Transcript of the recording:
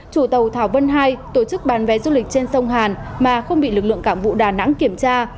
chủ tàu thảo vân ii tổ chức bán vé du lịch trên sông hàn mà không bị lực lượng cảng vụ đà nẵng kiểm tra